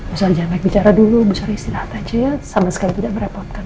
usah jangan bicara dulu bisa istilah saja sama sekali tidak merepotkan